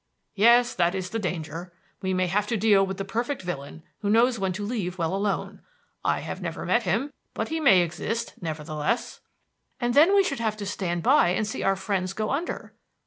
"Yes, that is the danger. We may have to deal with the perfect villain who knows when to leave well alone. I have never met him, but he may exist, nevertheless." "And then we should have to stand by and see our friends go under."